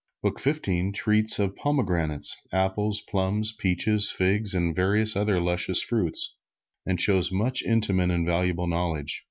Book Fifteen treats of pomegranates, apples, plums, peaches, figs and various other luscious fruits, and shows much intimate and valuable knowledge.